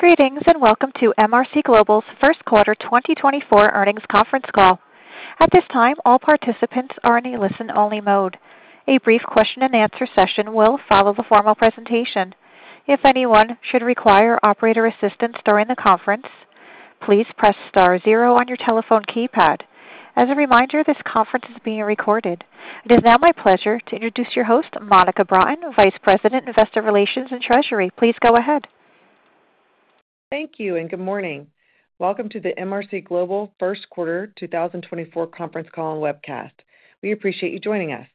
Greetings and welcome to MRC Global's First Quarter 2024 Earnings Conference Call. At this time, all participants are in a listen-only mode. A brief question-and-answer session will follow the formal presentation. If anyone should require operator assistance during the conference, please press star zero on your telephone keypad. As a reminder, this conference is being recorded. It is now my pleasure to introduce your host, Monica Broughton, Vice President, Investor Relations, and Treasury. Please go ahead. Thank you and good morning. Welcome to the MRC Global First Quarter 2024 Conference Call and Webcast. We appreciate you joining us.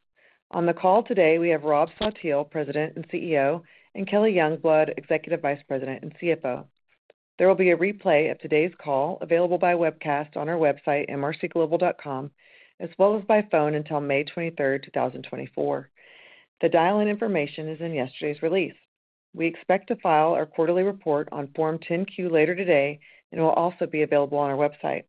On the call today, we have Rob Saltiel, President and CEO, and Kelly Youngblood, Executive Vice President and CFO. There will be a replay of today's call available by webcast on our website, mrcglobal.com, as well as by phone until May 23rd, 2024. The dial-in information is in yesterday's release. We expect to file our quarterly report on Form 10-Q later today, and it will also be available on our website.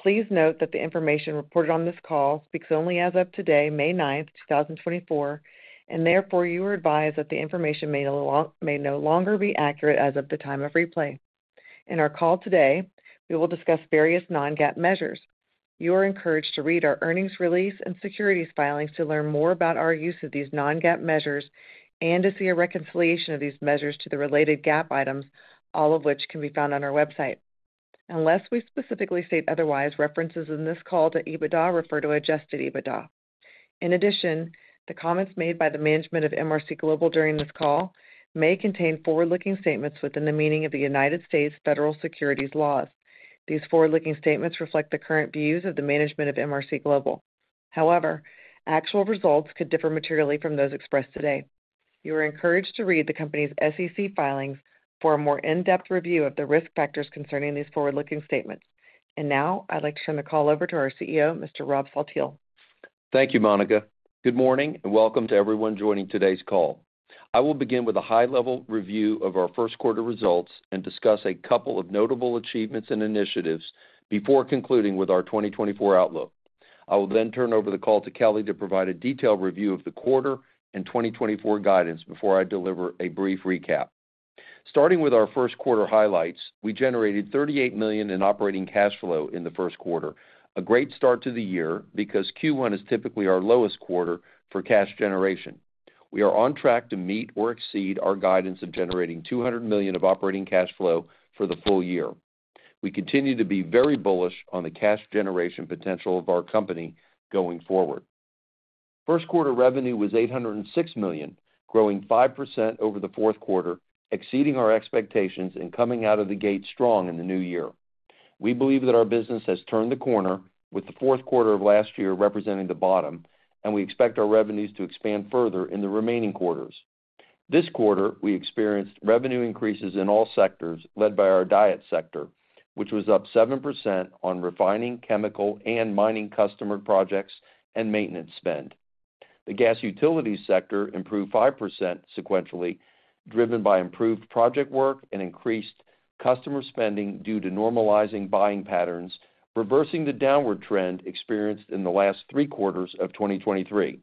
Please note that the information reported on this call speaks only as of today, May 9th, 2024, and therefore you are advised that the information may no longer be accurate as of the time of replay. In our call today, we will discuss various non-GAAP measures. You are encouraged to read our earnings release and securities filings to learn more about our use of these non-GAAP measures and to see a reconciliation of these measures to the related GAAP items, all of which can be found on our website. Unless we specifically state otherwise, references in this call to EBITDA refer to adjusted EBITDA. In addition, the comments made by the management of MRC Global during this call may contain forward-looking statements within the meaning of the United States federal securities laws. These forward-looking statements reflect the current views of the management of MRC Global. However, actual results could differ materially from those expressed today. You are encouraged to read the company's SEC filings for a more in-depth review of the risk factors concerning these forward-looking statements. Now I'd like to turn the call over to our CEO, Mr. Rob Saltiel. Thank you, Monica. Good morning and welcome to everyone joining today's call. I will begin with a high-level review of our first quarter results and discuss a couple of notable achievements and initiatives before concluding with our 2024 outlook. I will then turn over the call to Kelly to provide a detailed review of the quarter and 2024 guidance before I deliver a brief recap. Starting with our first quarter highlights, we generated $38 million in operating cash flow in the first quarter, a great start to the year because Q1 is typically our lowest quarter for cash generation. We are on track to meet or exceed our guidance of generating $200 million of operating cash flow for the full year. We continue to be very bullish on the cash generation potential of our company going forward. First quarter revenue was $806 million, growing 5% over the fourth quarter, exceeding our expectations and coming out of the gate strong in the new year. We believe that our business has turned the corner, with the fourth quarter of last year representing the bottom, and we expect our revenues to expand further in the remaining quarters. This quarter, we experienced revenue increases in all sectors led by our DIET sector, which was up 7% on refining, chemical, and mining customer projects and maintenance spend. The Gas Utilities sector improved 5% sequentially, driven by improved project work and increased customer spending due to normalizing buying patterns, reversing the downward trend experienced in the last three quarters of 2023.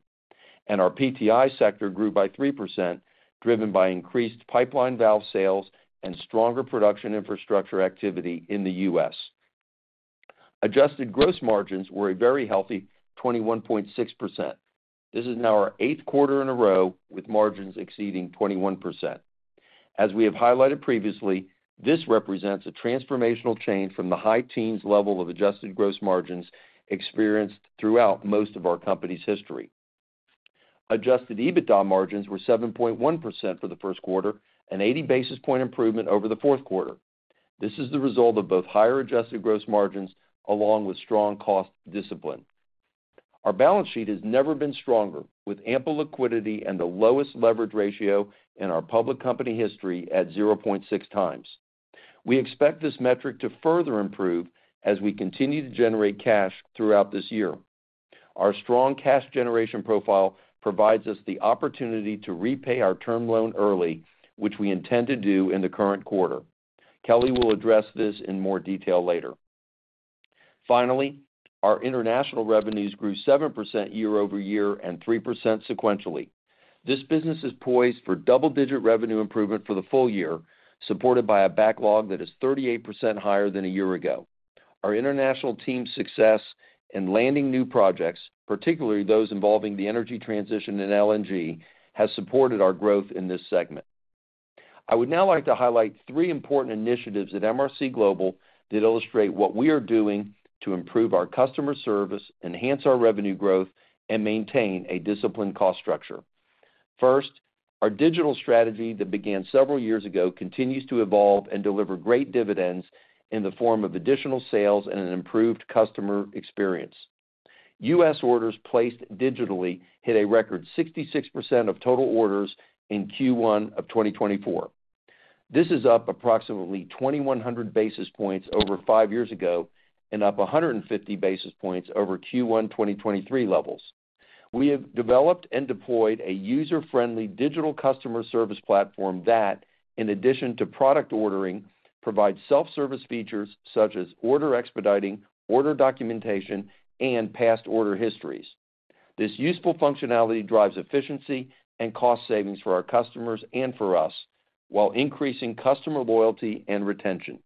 Our PTI sector grew by 3%, driven by increased pipeline valve sales and stronger production infrastructure activity in the U.S. Adjusted gross margins were a very healthy 21.6%. This is now our eighth quarter in a row with margins exceeding 21%. As we have highlighted previously, this represents a transformational change from the high teens level of adjusted gross margins experienced throughout most of our company's history. Adjusted EBITDA margins were 7.1% for the first quarter, an 80 basis point improvement over the fourth quarter. This is the result of both higher adjusted gross margins along with strong cost discipline. Our balance sheet has never been stronger, with ample liquidity and the lowest leverage ratio in our public company history at 0.6x. We expect this metric to further improve as we continue to generate cash throughout this year. Our strong cash generation profile provides us the opportunity to repay our term loan early, which we intend to do in the current quarter. Kelly will address this in more detail later. Finally, our international revenues grew 7% year-over-year and 3% sequentially. This business is poised for double-digit revenue improvement for the full year, supported by a backlog that is 38% higher than a year ago. Our international team's success in landing new projects, particularly those involving the energy transition and LNG, has supported our growth in this segment. I would now like to highlight three important initiatives at MRC Global that illustrate what we are doing to improve our customer service, enhance our revenue growth, and maintain a disciplined cost structure. First, our digital strategy that began several years ago continues to evolve and deliver great dividends in the form of additional sales and an improved customer experience. U.S. orders placed digitally hit a record 66% of total orders in Q1 of 2024. This is up approximately 2,100 basis points over five years ago and up 150 basis points over Q1 2023 levels. We have developed and deployed a user-friendly digital customer service platform that, in addition to product ordering, provides self-service features such as order expediting, order documentation, and past order histories. This useful functionality drives efficiency and cost savings for our customers and for us, while increasing customer loyalty and retention.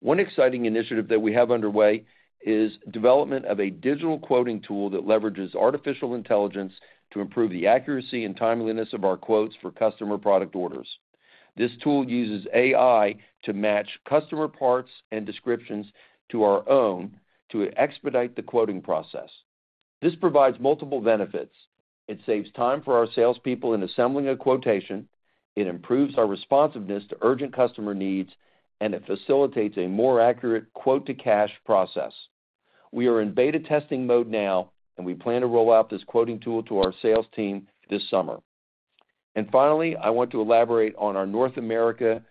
One exciting initiative that we have underway is development of a digital quoting tool that leverages artificial intelligence to improve the accuracy and timeliness of our quotes for customer product orders. This tool uses AI to match customer parts and descriptions to our own to expedite the quoting process. This provides multiple benefits. It saves time for our salespeople in assembling a quotation. It improves our responsiveness to urgent customer needs, and it facilitates a more accurate quote-to-cash process. We are in beta testing mode now, and we plan to roll out this quoting tool to our sales team this summer. And finally, I want to elaborate on our North America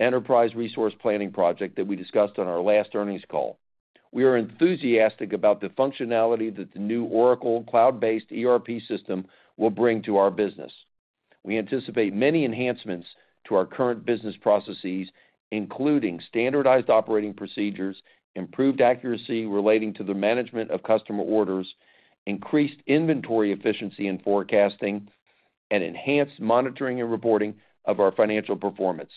Enterprise Resource Planning project that we discussed on our last earnings call. We are enthusiastic about the functionality that the new Oracle Cloud-based ERP system will bring to our business. We anticipate many enhancements to our current business processes, including standardized operating procedures, improved accuracy relating to the management of customer orders, increased inventory efficiency and forecasting, and enhanced monitoring and reporting of our financial performance.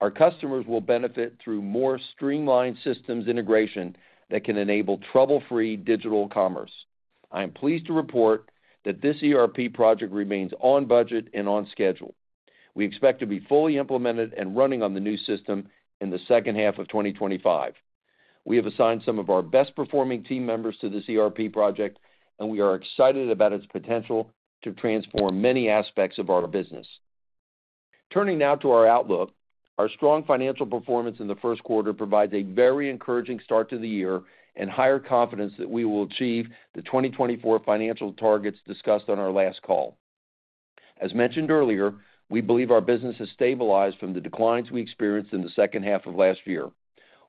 Our customers will benefit through more streamlined systems integration that can enable trouble-free digital commerce. I am pleased to report that this ERP project remains on budget and on schedule. We expect to be fully implemented and running on the new system in the second half of 2025. We have assigned some of our best-performing team members to this ERP project, and we are excited about its potential to transform many aspects of our business. Turning now to our outlook, our strong financial performance in the first quarter provides a very encouraging start to the year and higher confidence that we will achieve the 2024 financial targets discussed on our last call. As mentioned earlier, we believe our business has stabilized from the declines we experienced in the second half of last year.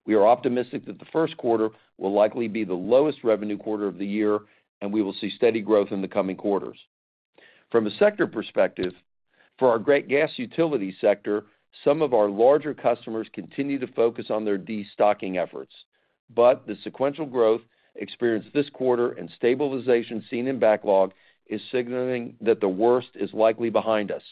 We are optimistic that the first quarter will likely be the lowest revenue quarter of the year, and we will see steady growth in the coming quarters. From a sector perspective, for our Gas Utilities sector, some of our larger customers continue to focus on their destocking efforts. But the sequential growth experienced this quarter and stabilization seen in backlog is signaling that the worst is likely behind us.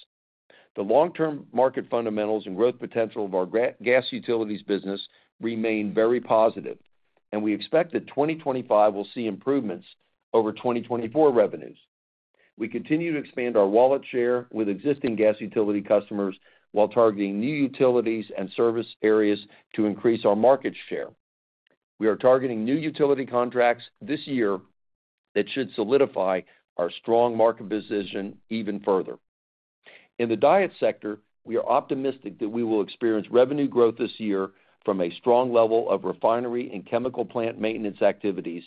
The long-term market fundamentals and growth potential of our Gas Utilities business remain very positive, and we expect that 2025 will see improvements over 2024 revenues. We continue to expand our wallet share with existing gas utility customers while targeting new utilities and service areas to increase our market share. We are targeting new utility contracts this year that should solidify our strong market position even further. In the DIET sector, we are optimistic that we will experience revenue growth this year from a strong level of refinery and chemical plant maintenance activities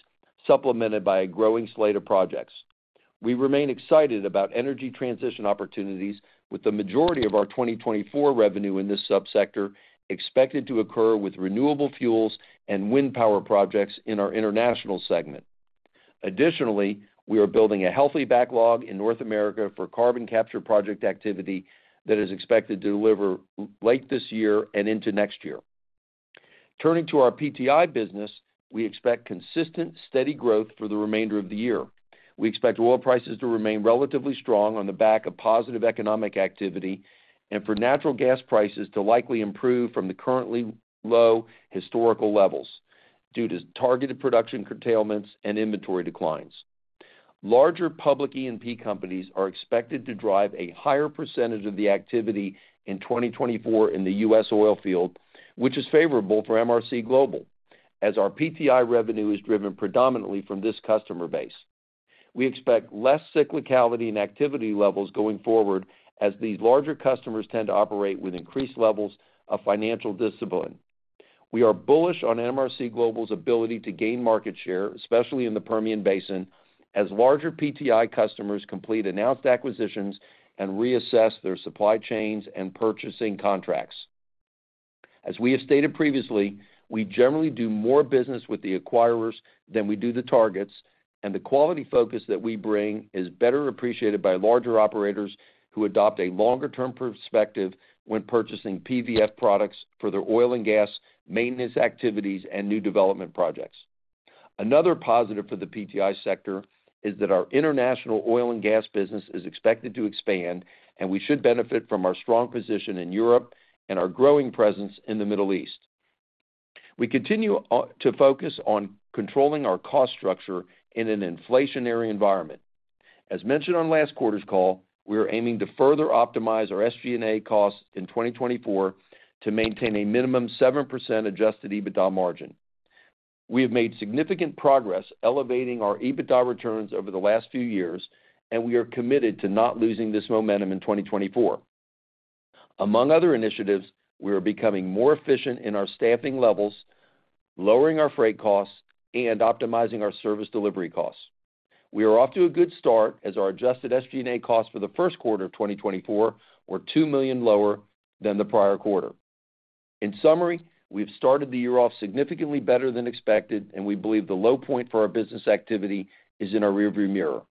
supplemented by a growing slate of projects. We remain excited about energy transition opportunities, with the majority of our 2024 revenue in this subsector expected to occur with renewable fuels and wind power projects in our international segment. Additionally, we are building a healthy backlog in North America for carbon capture project activity that is expected to deliver late this year and into next year. Turning to our PTI business, we expect consistent, steady growth for the remainder of the year. We expect oil prices to remain relatively strong on the back of positive economic activity and for natural gas prices to likely improve from the currently low historical levels due to targeted production curtailments and inventory declines. Larger public E&P companies are expected to drive a higher percentage of the activity in 2024 in the U.S. oil field, which is favorable for MRC Global as our PTI revenue is driven predominantly from this customer base. We expect less cyclicality and activity levels going forward as these larger customers tend to operate with increased levels of financial discipline. We are bullish on MRC Global's ability to gain market share, especially in the Permian Basin, as larger PTI customers complete announced acquisitions and reassess their supply chains and purchasing contracts. As we have stated previously, we generally do more business with the acquirers than we do the targets, and the quality focus that we bring is better appreciated by larger operators who adopt a longer-term perspective when purchasing PVF products for their oil and gas maintenance activities and new development projects. Another positive for the PTI sector is that our international oil and gas business is expected to expand, and we should benefit from our strong position in Europe and our growing presence in the Middle East. We continue to focus on controlling our cost structure in an inflationary environment. As mentioned on last quarter's call, we are aiming to further optimize our SG&A costs in 2024 to maintain a minimum 7% adjusted EBITDA margin. We have made significant progress elevating our EBITDA returns over the last few years, and we are committed to not losing this momentum in 2024. Among other initiatives, we are becoming more efficient in our staffing levels, lowering our freight costs, and optimizing our service delivery costs. We are off to a good start as our adjusted SG&A costs for the first quarter of 2024 were $2 million lower than the prior quarter. In summary, we've started the year off significantly better than expected, and we believe the low point for our business activity is in our rearview mirror.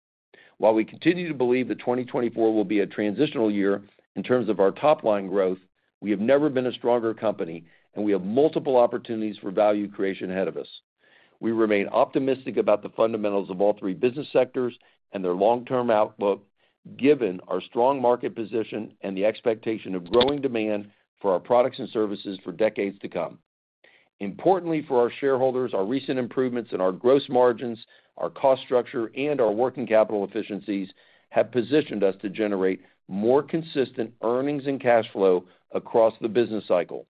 While we continue to believe that 2024 will be a transitional year in terms of our top-line growth, we have never been a stronger company, and we have multiple opportunities for value creation ahead of us. We remain optimistic about the fundamentals of all three business sectors and their long-term outlook, given our strong market position and the expectation of growing demand for our products and services for decades to come. Importantly for our shareholders, our recent improvements in our gross margins, our cost structure, and our working capital efficiencies have positioned us to generate more consistent earnings and cash flow across the business cycle.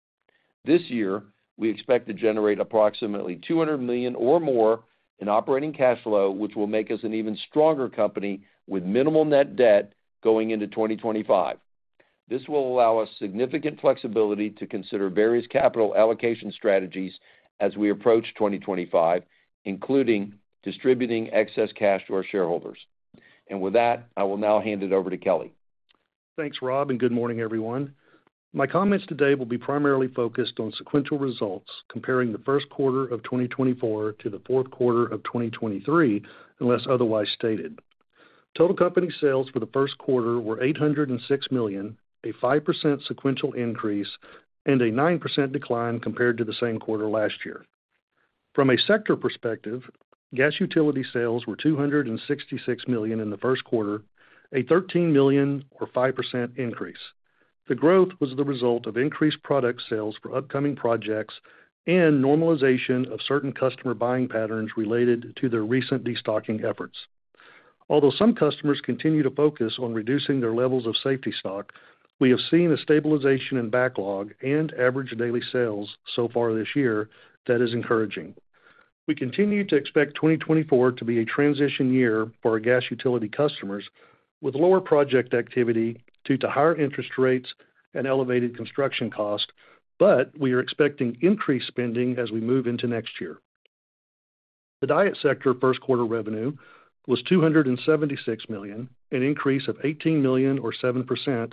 This year, we expect to generate approximately $200 million or more in operating cash flow, which will make us an even stronger company with minimal net debt going into 2025. This will allow us significant flexibility to consider various capital allocation strategies as we approach 2025, including distributing excess cash to our shareholders. With that, I will now hand it over to Kelly. Thanks, Rob, and good morning, everyone. My comments today will be primarily focused on sequential results comparing the first quarter of 2024 to the fourth quarter of 2023 unless otherwise stated. Total company sales for the first quarter were $806 million, a 5% sequential increase, and a 9% decline compared to the same quarter last year. From a sector perspective, gas utility sales were $266 million in the first quarter, a $13 million or 5% increase. The growth was the result of increased product sales for upcoming projects and normalization of certain customer buying patterns related to their recent destocking efforts. Although some customers continue to focus on reducing their levels of safety stock, we have seen a stabilization in backlog and average daily sales so far this year that is encouraging. We continue to expect 2024 to be a transition year for our gas utility customers with lower project activity due to higher interest rates and elevated construction costs, but we are expecting increased spending as we move into next year. The DIET sector first quarter revenue was $276 million, an increase of $18 million or 7%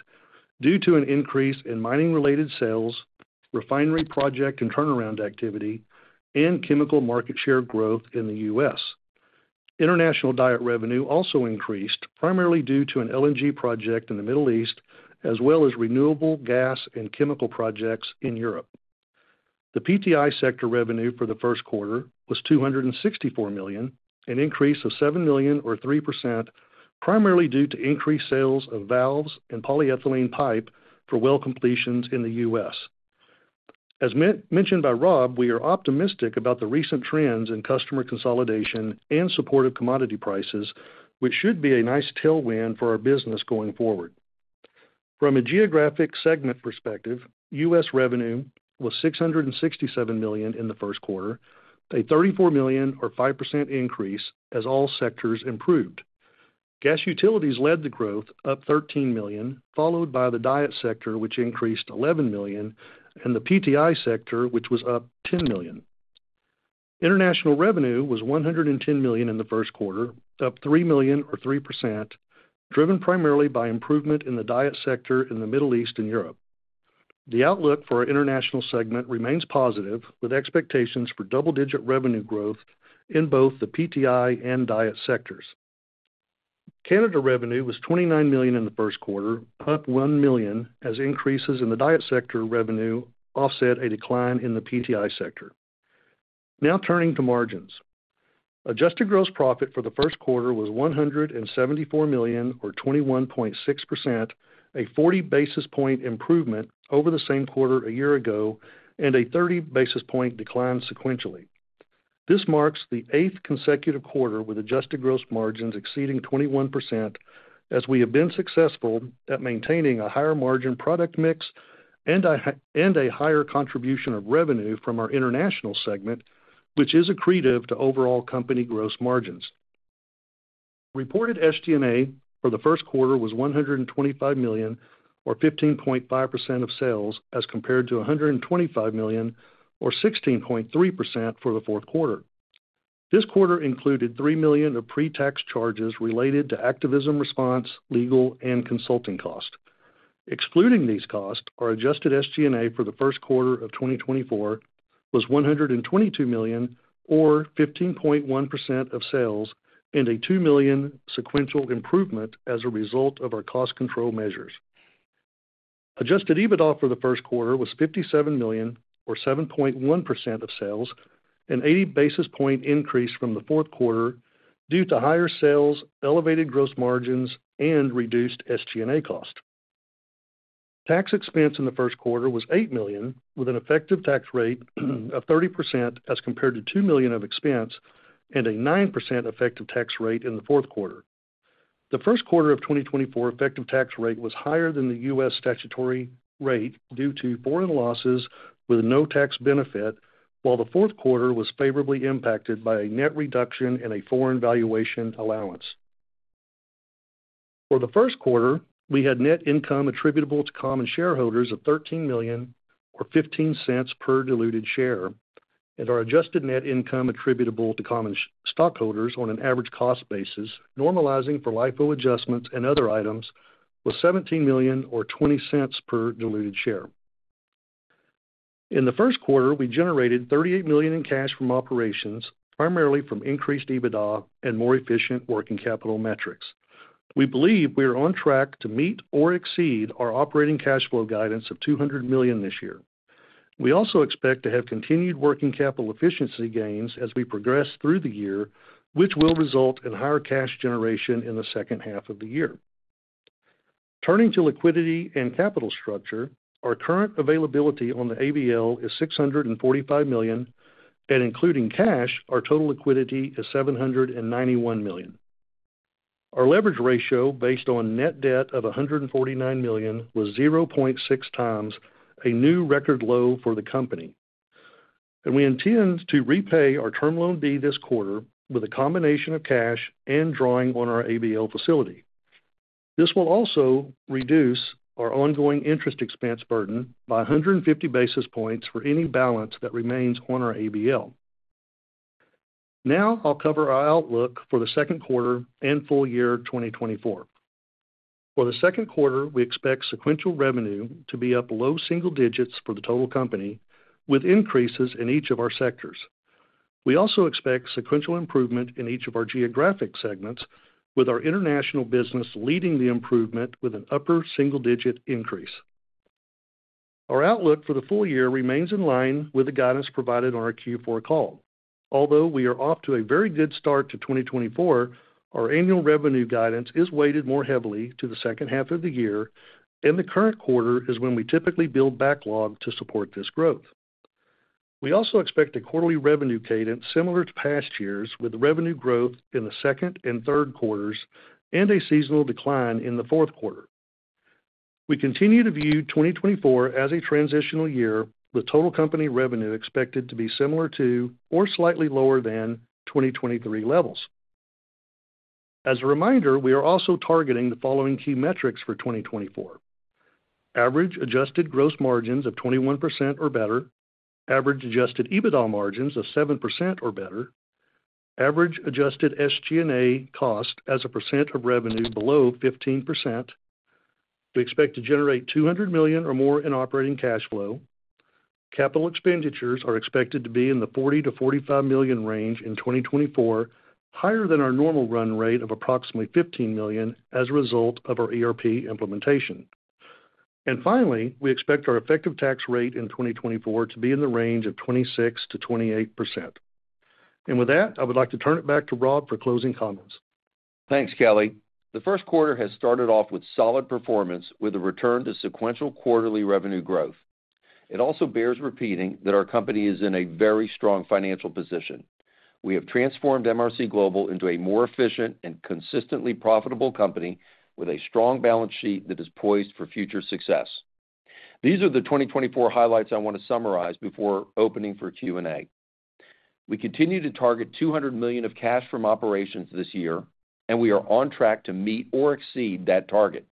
due to an increase in mining-related sales, refinery project and turnaround activity, and chemical market share growth in the U.S. International DIET revenue also increased primarily due to an LNG project in the Middle East as well as renewable gas and chemical projects in Europe. The PTI sector revenue for the first quarter was $264 million, an increase of $7 million or 3% primarily due to increased sales of valves and polyethylene pipe for well completions in the U.S. As mentioned by Rob, we are optimistic about the recent trends in customer consolidation and supportive commodity prices, which should be a nice tailwind for our business going forward. From a geographic segment perspective, U.S. revenue was $667 million in the first quarter, a $34 million or 5% increase as all sectors improved. Gas Utilities led the growth, up $13 million, followed by the DIET sector, which increased $11 million, and the PTI sector, which was up $10 million. International revenue was $110 million in the first quarter, up $3 million or 3%, driven primarily by improvement in the DIET sector in the Middle East and Europe. The outlook for our international segment remains positive, with expectations for double-digit revenue growth in both the PTI and DIET sectors. Canada revenue was $29 million in the first quarter, up $1 million as increases in the DIET sector revenue offset a decline in the PTI sector. Now turning to margins. Adjusted gross profit for the first quarter was $174 million or 21.6%, a 40 basis point improvement over the same quarter a year ago and a 30 basis point decline sequentially. This marks the eighth consecutive quarter with adjusted gross margins exceeding 21% as we have been successful at maintaining a higher margin product mix and a higher contribution of revenue from our international segment, which is accretive to overall company gross margins. Reported SG&A for the first quarter was $125 million or 15.5% of sales as compared to $125 million or 16.3% for the fourth quarter. This quarter included $3 million of pre-tax charges related to activism response, legal, and consulting costs. Excluding these costs, our adjusted SG&A for the first quarter of 2024 was $122 million or 15.1% of sales and a $2 million sequential improvement as a result of our cost control measures. Adjusted EBITDA for the first quarter was $57 million or 7.1% of sales, an 80 basis point increase from the fourth quarter due to higher sales, elevated gross margins, and reduced SG&A costs. Tax expense in the first quarter was $8 million with an effective tax rate of 30% as compared to $2 million of expense and a 9% effective tax rate in the fourth quarter. The first quarter of 2024 effective tax rate was higher than the U.S. statutory rate due to foreign losses with no tax benefit, while the fourth quarter was favorably impacted by a net reduction in a foreign valuation allowance. For the first quarter, we had net income attributable to common shareholders of $13 million or $0.15 per diluted share, and our adjusted net income attributable to common stockholders on an average cost basis, normalizing for LIFO adjustments and other items, was $17 million or $0.20 per diluted share. In the first quarter, we generated $38 million in cash from operations, primarily from increased EBITDA and more efficient working capital metrics. We believe we are on track to meet or exceed our operating cash flow guidance of $200 million this year. We also expect to have continued working capital efficiency gains as we progress through the year, which will result in higher cash generation in the second half of the year. Turning to liquidity and capital structure, our current availability on the ABL is $645 million, and including cash, our total liquidity is $791 million. Our leverage ratio based on net debt of $149 million was 0.6 times a new record low for the company, and we intend to repay our Term Loan B this quarter with a combination of cash and drawing on our ABL facility. This will also reduce our ongoing interest expense burden by 150 basis points for any balance that remains on our ABL. Now I'll cover our outlook for the second quarter and full year 2024. For the second quarter, we expect sequential revenue to be up low single digits for the total company with increases in each of our sectors. We also expect sequential improvement in each of our geographic segments, with our international business leading the improvement with an upper single digit increase. Our outlook for the full year remains in line with the guidance provided on our Q4 call. Although we are off to a very good start to 2024, our annual revenue guidance is weighted more heavily to the second half of the year, and the current quarter is when we typically build backlog to support this growth. We also expect a quarterly revenue cadence similar to past years, with revenue growth in the second and third quarters and a seasonal decline in the fourth quarter. We continue to view 2024 as a transitional year, with total company revenue expected to be similar to or slightly lower than 2023 levels. As a reminder, we are also targeting the following key metrics for 2024: average adjusted gross margins of 21% or better, average adjusted EBITDA margins of 7% or better, average adjusted SG&A cost as a percent of revenue below 15%. We expect to generate $200 million or more in operating cash flow. Capital expenditures are expected to be in the $40 million-$45 million range in 2024, higher than our normal run rate of approximately $15 million as a result of our ERP implementation. And finally, we expect our effective tax rate in 2024 to be in the range of 26%-28%. And with that, I would like to turn it back to Rob for closing comments. Thanks, Kelly. The first quarter has started off with solid performance, with a return to sequential quarterly revenue growth. It also bears repeating that our company is in a very strong financial position. We have transformed MRC Global into a more efficient and consistently profitable company with a strong balance sheet that is poised for future success. These are the 2024 highlights I want to summarize before opening for Q&A. We continue to target $200 million of cash from operations this year, and we are on track to meet or exceed that target.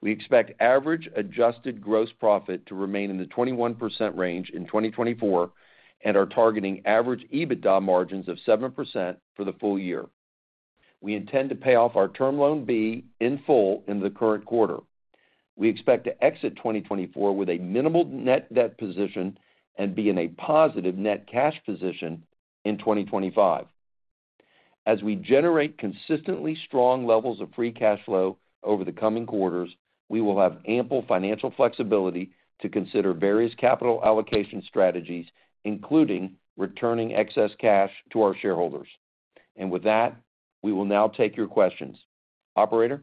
We expect average adjusted gross profit to remain in the 21% range in 2024, and are targeting average EBITDA margins of 7% for the full year. We intend to pay off our Term Loan B in full in the current quarter. We expect to exit 2024 with a minimal net debt position and be in a positive net cash position in 2025. As we generate consistently strong levels of free cash flow over the coming quarters, we will have ample financial flexibility to consider various capital allocation strategies, including returning excess cash to our shareholders. With that, we will now take your questions. Operator?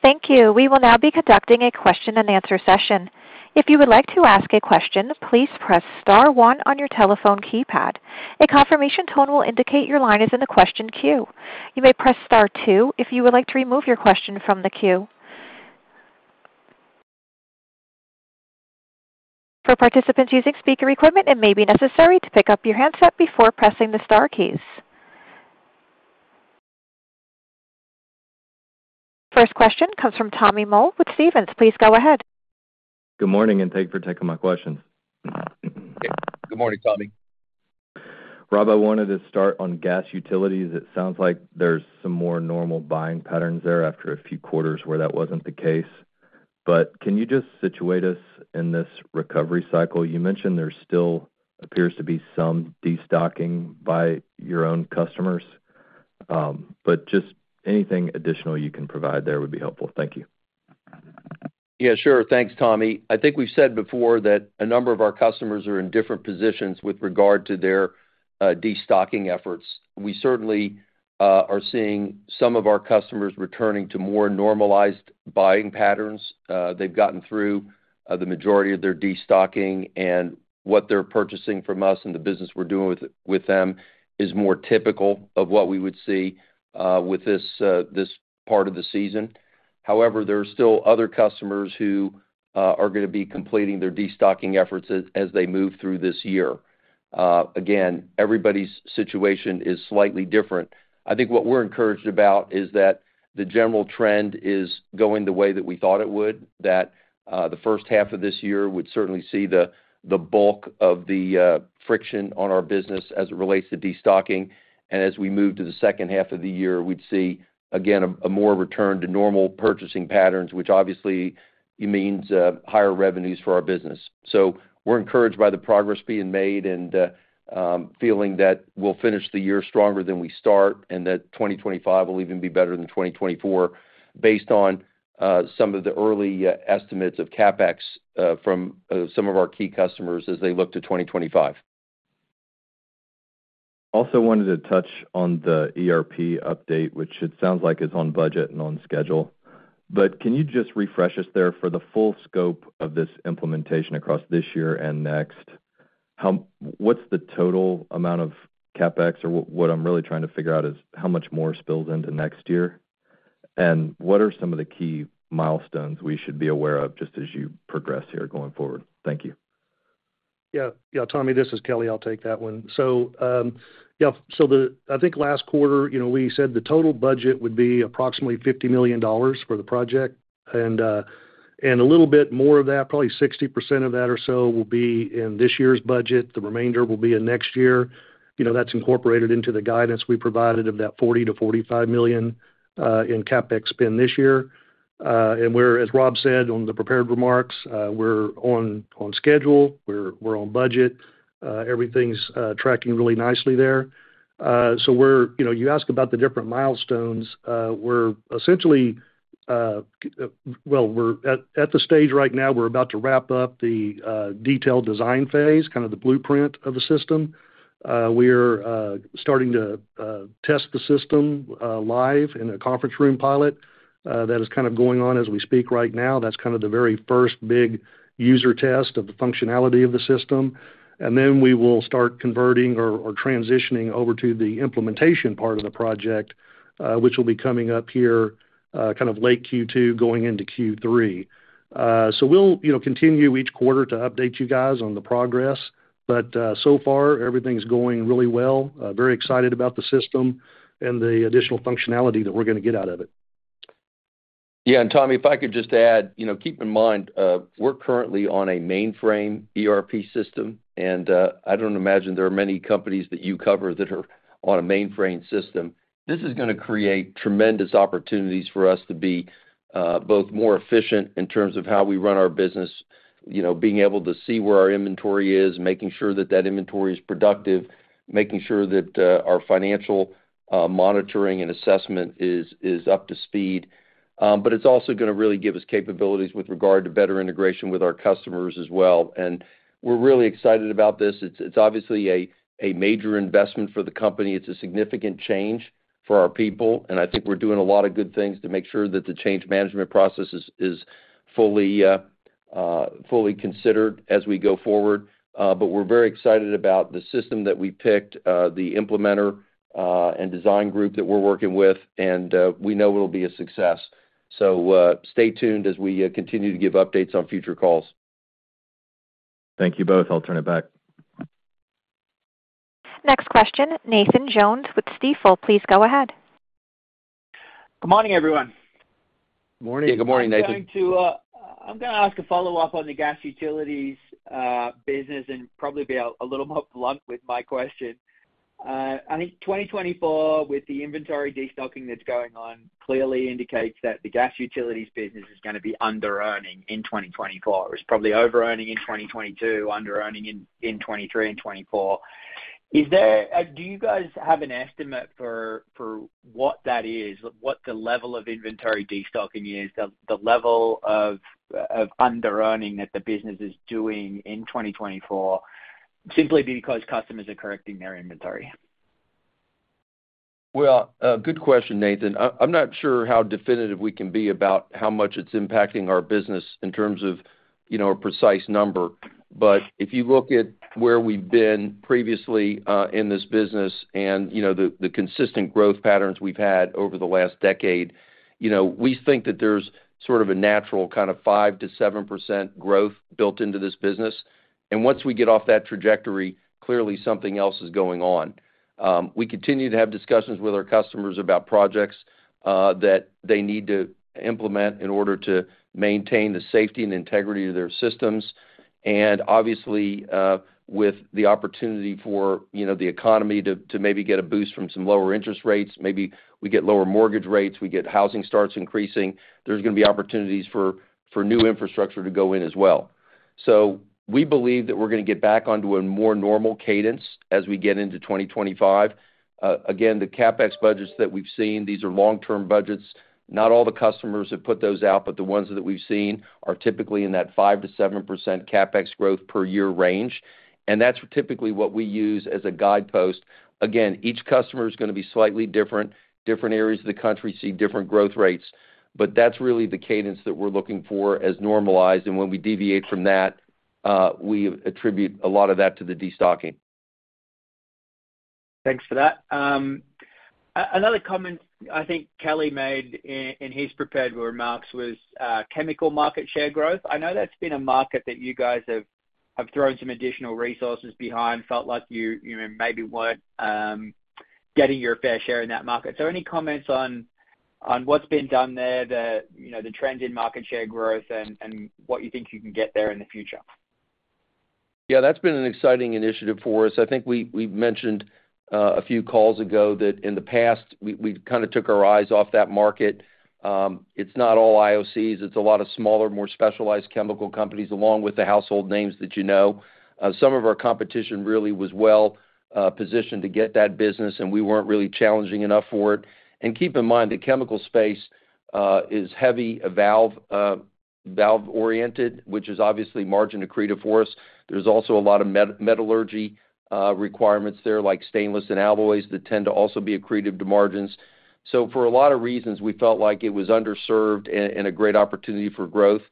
Thank you. We will now be conducting a question and answer session. If you would like to ask a question, please press star one on your telephone keypad. A confirmation tone will indicate your line is in the question queue. You may press star two if you would like to remove your question from the queue. For participants using speaker equipment, it may be necessary to pick up your handset before pressing the star keys. First question comes from Tommy Moll with Stephens. Please go ahead. Good morning, and thanks for taking my questions. Good morning, Tommy. Rob, I wanted to start on Gas Utilities. It sounds like there's some more normal buying patterns there after a few quarters where that wasn't the case. But can you just situate us in this recovery cycle? You mentioned there still appears to be some destocking by your own customers. But just anything additional you can provide there would be helpful. Thank you. Yeah, sure. Thanks, Tommy. I think we've said before that a number of our customers are in different positions with regard to their destocking efforts. We certainly are seeing some of our customers returning to more normalized buying patterns. They've gotten through the majority of their destocking, and what they're purchasing from us and the business we're doing with them is more typical of what we would see with this part of the season. However, there are still other customers who are going to be completing their destocking efforts as they move through this year. Again, everybody's situation is slightly different. I think what we're encouraged about is that the general trend is going the way that we thought it would, that the first half of this year would certainly see the bulk of the friction on our business as it relates to destocking. As we move to the second half of the year, we'd see, again, a more return to normal purchasing patterns, which obviously means higher revenues for our business. We're encouraged by the progress being made and feeling that we'll finish the year stronger than we start and that 2025 will even be better than 2024 based on some of the early estimates of CapEx from some of our key customers as they look to 2025. Also wanted to touch on the ERP update, which it sounds like is on budget and on schedule. But can you just refresh us there for the full scope of this implementation across this year and next? What's the total amount of CapEx? Or what I'm really trying to figure out is how much more spills into next year. And what are some of the key milestones we should be aware of just as you progress here going forward? Thank you. Yeah. Yeah, Tommy, this is Kelly. I'll take that one. So yeah, so I think last quarter, we said the total budget would be approximately $50 million for the project. And a little bit more of that, probably 60% of that or so, will be in this year's budget. The remainder will be in next year. That's incorporated into the guidance we provided of that $40 million-$45 million in CapEx spend this year. And as Rob said on the prepared remarks, we're on schedule. We're on budget. Everything's tracking really nicely there. So you ask about the different milestones. Well, at the stage right now, we're about to wrap up the detailed design phase, kind of the blueprint of the system. We are starting to test the system live in a conference room pilot that is kind of going on as we speak right now. That's kind of the very first big user test of the functionality of the system. And then we will start converting or transitioning over to the implementation part of the project, which will be coming up here kind of late Q2 going into Q3. So we'll continue each quarter to update you guys on the progress. But so far, everything's going really well. Very excited about the system and the additional functionality that we're going to get out of it. Yeah. Tommy, if I could just add, keep in mind, we're currently on a mainframe ERP system. I don't imagine there are many companies that you cover that are on a mainframe system. This is going to create tremendous opportunities for us to be both more efficient in terms of how we run our business, being able to see where our inventory is, making sure that that inventory is productive, making sure that our financial monitoring and assessment is up to speed. It's also going to really give us capabilities with regard to better integration with our customers as well. We're really excited about this. It's obviously a major investment for the company. It's a significant change for our people. I think we're doing a lot of good things to make sure that the change management process is fully considered as we go forward. We're very excited about the system that we picked, the implementer and design group that we're working with. We know it'll be a success. Stay tuned as we continue to give updates on future calls. Thank you both. I'll turn it back. Next question, Nathan Jones with Stifel. Please go ahead. Good morning, everyone. Morning. Yeah, good morning, Nathan. I'm going to ask a follow-up on the Gas Utilities business and probably be a little more blunt with my question. I think 2024, with the inventory destocking that's going on, clearly indicates that the Gas Utilities business is going to be under-earning in 2024. It's probably over-earning in 2022, under-earning in 2023 and 2024. Do you guys have an estimate for what that is, what the level of inventory destocking is, the level of under-earning that the business is doing in 2024 simply because customers are correcting their inventory? Well, good question, Nathan. I'm not sure how definitive we can be about how much it's impacting our business in terms of a precise number. If you look at where we've been previously in this business and the consistent growth patterns we've had over the last decade, we think that there's sort of a natural kind of 5%-7% growth built into this business. Once we get off that trajectory, clearly something else is going on. We continue to have discussions with our customers about projects that they need to implement in order to maintain the safety and integrity of their systems. Obviously, with the opportunity for the economy to maybe get a boost from some lower interest rates, maybe we get lower mortgage rates, we get housing starts increasing, there's going to be opportunities for new infrastructure to go in as well. So we believe that we're going to get back onto a more normal cadence as we get into 2025. Again, the CapEx budgets that we've seen, these are long-term budgets. Not all the customers have put those out, but the ones that we've seen are typically in that 5%-7% CapEx growth per year range. And that's typically what we use as a guidepost. Again, each customer is going to be slightly different. Different areas of the country see different growth rates. But that's really the cadence that we're looking for as normalized. And when we deviate from that, we attribute a lot of that to the destocking. Thanks for that. Another comment I think Kelly made in his prepared remarks was chemical market share growth. I know that's been a market that you guys have thrown some additional resources behind, felt like you maybe weren't getting your fair share in that market. So any comments on what's been done there, the trends in market share growth, and what you think you can get there in the future? Yeah, that's been an exciting initiative for us. I think we mentioned a few calls ago that in the past, we kind of took our eyes off that market. It's not all IOCs. It's a lot of smaller, more specialized chemical companies, along with the household names that you know. Some of our competition really was well-positioned to get that business, and we weren't really challenging enough for it. And keep in mind, the chemical space is heavy valve-oriented, which is obviously margin accretive for us. There's also a lot of metallurgy requirements there, like stainless and alloys that tend to also be accretive to margins. So for a lot of reasons, we felt like it was underserved and a great opportunity for growth.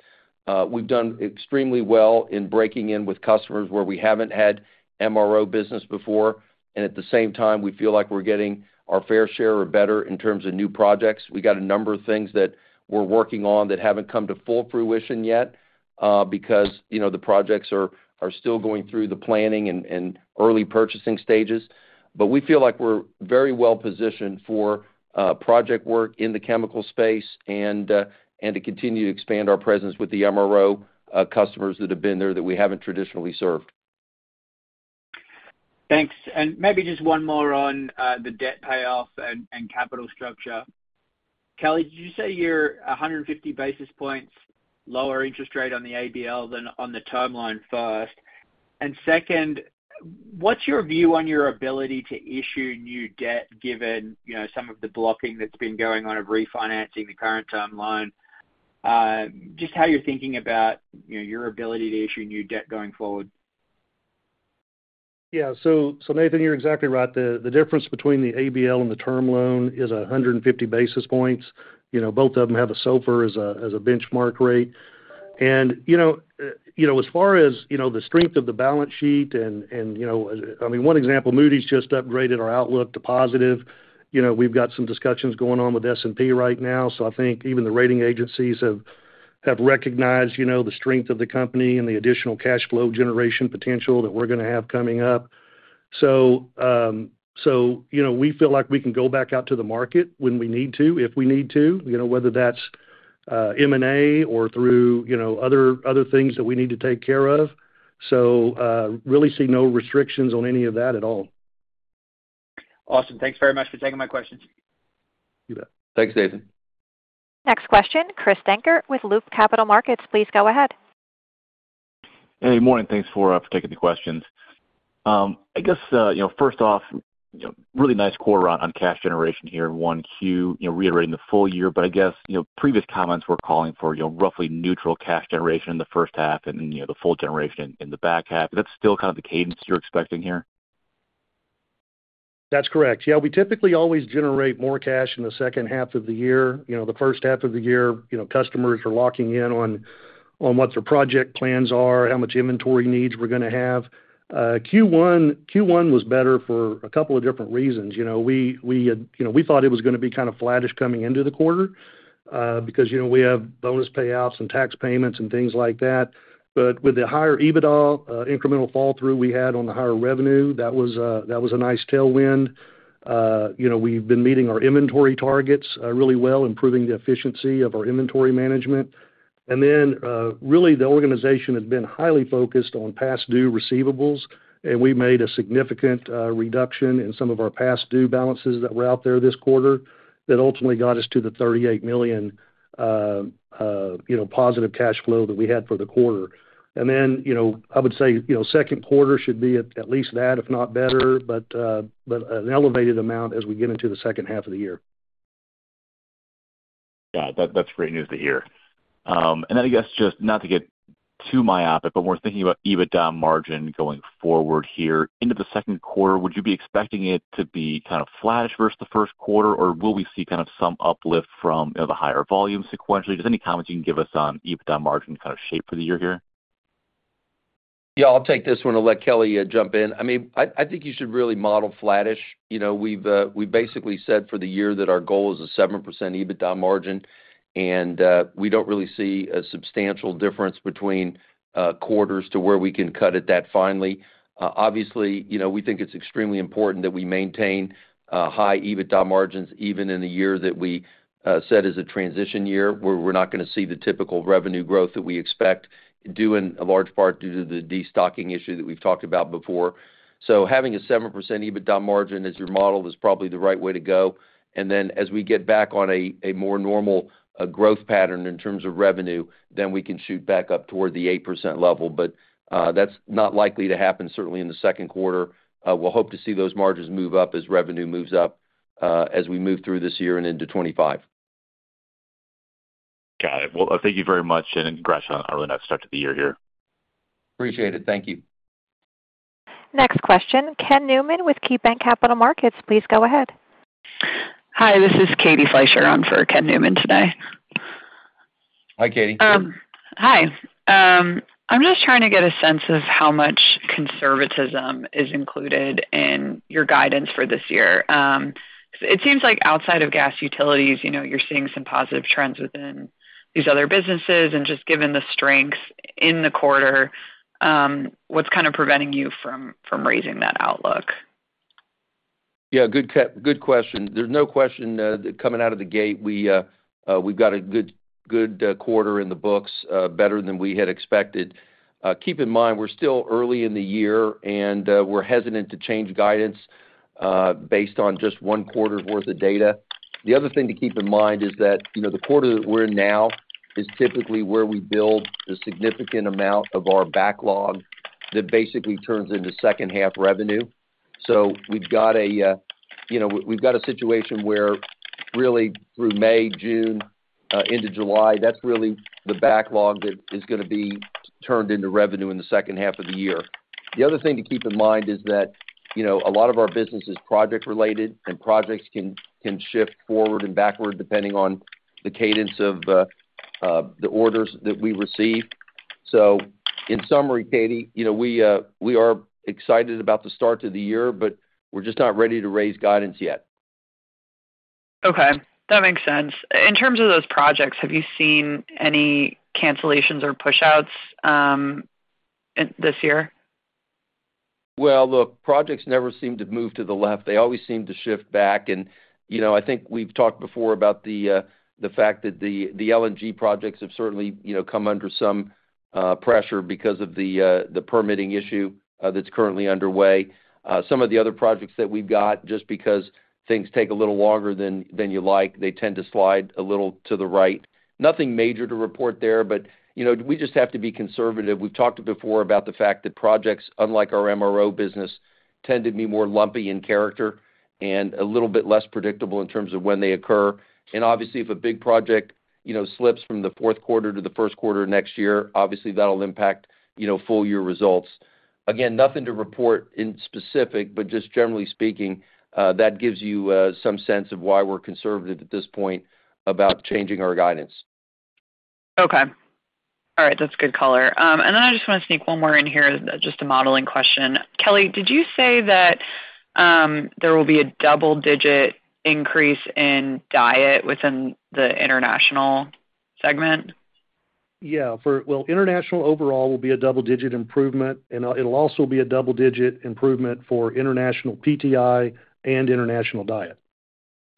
We've done extremely well in breaking in with customers where we haven't had MRO business before. At the same time, we feel like we're getting our fair share or better in terms of new projects. We got a number of things that we're working on that haven't come to full fruition yet because the projects are still going through the planning and early purchasing stages. We feel like we're very well-positioned for project work in the chemical space and to continue to expand our presence with the MRO customers that have been there that we haven't traditionally served. Thanks. And maybe just one more on the debt payoff and capital structure. Kelly, did you say you're 150 basis points lower interest rate on the ABL than on the term loan first? And second, what's your view on your ability to issue new debt given some of the blocking that's been going on of refinancing the current term loan, just how you're thinking about your ability to issue new debt going forward? Yeah. So Nathan, you're exactly right. The difference between the ABL and the term loan is 150 basis points. Both of them have a SOFR as a benchmark rate. And as far as the strength of the balance sheet and I mean, one example, Moody's just upgraded our outlook to positive. We've got some discussions going on with S&P right now. So I think even the rating agencies have recognized the strength of the company and the additional cash flow generation potential that we're going to have coming up. So we feel like we can go back out to the market when we need to, if we need to, whether that's M&A or through other things that we need to take care of. So really see no restrictions on any of that at all. Awesome. Thanks very much for taking my questions. You bet. Thanks, Nathan. Next question, Chris Dankert with Loop Capital Markets. Please go ahead. Hey, good morning. Thanks for taking the questions. I guess first off, really nice quote on cash generation here in 1Q, reiterating the full year. But I guess previous comments were calling for roughly neutral cash generation in the first half and then the full generation in the back half. Is that still kind of the cadence you're expecting here? That's correct. Yeah, we typically always generate more cash in the second half of the year. The first half of the year, customers are locking in on what their project plans are, how much inventory needs we're going to have. Q1 was better for a couple of different reasons. We thought it was going to be kind of flatish coming into the quarter because we have bonus payouts and tax payments and things like that. But with the higher EBITDA, incremental fall-through we had on the higher revenue, that was a nice tailwind. We've been meeting our inventory targets really well, improving the efficiency of our inventory management. And then really, the organization has been highly focused on past-due receivables. We made a significant reduction in some of our past-due balances that were out there this quarter that ultimately got us to the $38 million positive cash flow that we had for the quarter. And then I would say second quarter should be at least that, if not better, but an elevated amount as we get into the second half of the year. Yeah, that's great news to hear. And then I guess just not to get too myopic, but when we're thinking about EBITDA margin going forward here into the second quarter, would you be expecting it to be kind of flatish versus the first quarter, or will we see kind of some uplift from the higher volume sequentially? Just any comments you can give us on EBITDA margin kind of shape for the year here? Yeah, I'll take this one and let Kelly jump in. I mean, I think you should really model flatish. We've basically said for the year that our goal is a 7% EBITDA margin. And we don't really see a substantial difference between quarters to where we can cut at that finely. Obviously, we think it's extremely important that we maintain high EBITDA margins even in the year that we set as a transition year where we're not going to see the typical revenue growth that we expect, due in large part due to the destocking issue that we've talked about before. So having a 7% EBITDA margin as your model is probably the right way to go. And then as we get back on a more normal growth pattern in terms of revenue, then we can shoot back up toward the 8% level. But that's not likely to happen, certainly in the second quarter. We'll hope to see those margins move up as revenue moves up as we move through this year and into 2025. Got it. Well, thank you very much. Congrats on a really nice start to the year here. Appreciate it. Thank you. Next question, Ken Newman with KeyBanc Capital Markets. Please go ahead. Hi, this is Katie Fleischer on for Ken Newman today. Hi, Katie. Hi. I'm just trying to get a sense of how much conservatism is included in your guidance for this year. It seems like outside of Gas Utilities, you're seeing some positive trends within these other businesses. Just given the strengths in the quarter, what's kind of preventing you from raising that outlook? Yeah, good question. There's no question coming out of the gate. We've got a good quarter in the books, better than we had expected. Keep in mind, we're still early in the year, and we're hesitant to change guidance based on just one quarter's worth of data. The other thing to keep in mind is that the quarter that we're in now is typically where we build a significant amount of our backlog that basically turns into second-half revenue. So we've got a situation where really through May, June, into July, that's really the backlog that is going to be turned into revenue in the second half of the year. The other thing to keep in mind is that a lot of our business is project-related, and projects can shift forward and backward depending on the cadence of the orders that we receive. In summary, Katie, we are excited about the start to the year, but we're just not ready to raise guidance yet. Okay. That makes sense. In terms of those projects, have you seen any cancellations or pushouts this year? Well, look, projects never seem to move to the left. They always seem to shift back. And I think we've talked before about the fact that the LNG projects have certainly come under some pressure because of the permitting issue that's currently underway. Some of the other projects that we've got, just because things take a little longer than you like, they tend to slide a little to the right. Nothing major to report there, but we just have to be conservative. We've talked before about the fact that projects, unlike our MRO business, tend to be more lumpy in character and a little bit less predictable in terms of when they occur. And obviously, if a big project slips from the fourth quarter to the first quarter next year, obviously, that'll impact full-year results. Again, nothing to report in specific, but just generally speaking, that gives you some sense of why we're conservative at this point about changing our guidance. Okay. All right. That's good color. And then I just want to sneak one more in here, just a modeling question. Kelly, did you say that there will be a double-digit increase in DIET within the international segment? Yeah. Well, international overall will be a double-digit improvement. And it'll also be a double-digit improvement for international PTI and international DIET.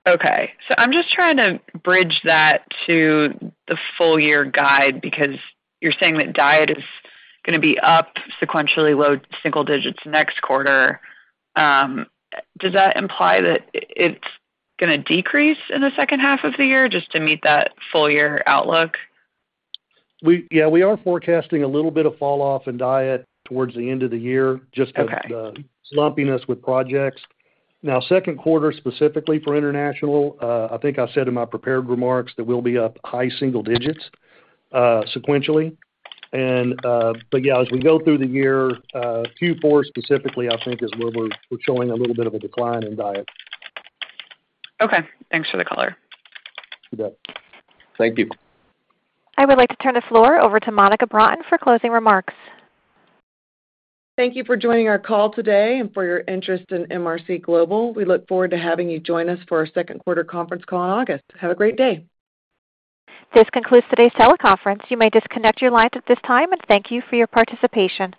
Okay. So I'm just trying to bridge that to the full-year guide because you're saying that DIET is going to be up sequentially, low single digits next quarter. Does that imply that it's going to decrease in the second half of the year just to meet that full-year outlook? Yeah, we are forecasting a little bit of falloff in DIET towards the end of the year just because of the lumpiness with projects. Now, second quarter specifically for international, I think I said in my prepared remarks that we'll be up high single digits sequentially. But yeah, as we go through the year, Q4 specifically, I think is where we're showing a little bit of a decline in DIET. Okay. Thanks for the color. You bet. Thank you. I would like to turn the floor over to Monica Broughton for closing remarks. Thank you for joining our call today and for your interest in MRC Global. We look forward to having you join us for our second-quarter conference call in August. Have a great day. This concludes today's teleconference. You may disconnect your lines at this time. Thank you for your participation.